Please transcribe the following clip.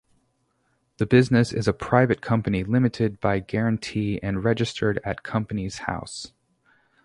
The business is a private company limited by guarantee and registered at Companies House.